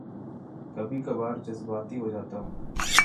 کبھی کبھار جذباتی ہو جاتا ہوں